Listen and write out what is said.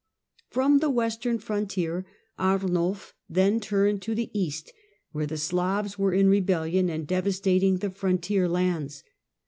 From the western frontier Arnulf then turned to the East, where the Slavs were in rebellion and devastating the frontier lands.